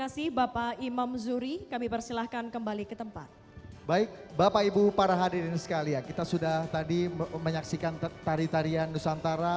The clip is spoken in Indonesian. sebelum kami mengundang kepala staff angkatan udara